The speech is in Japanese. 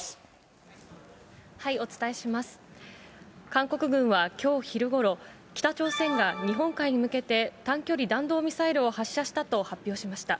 韓国軍はきょう昼ごろ、北朝鮮が日本海に向けて短距離弾道ミサイルを発射したと発表しました。